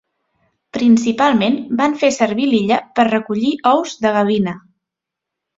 Principalment van fer servir l'illa per recollir ous de gavina.